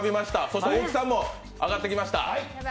そして大木さんも上がってきました。